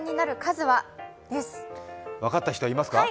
分かった人はいますか？